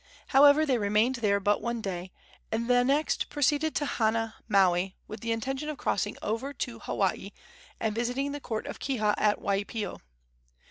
However, they remained there but one day, and the next proceeded to Hana, Maui, with the intention of crossing over to Hawaii and visiting the court of Kiha at Waipio.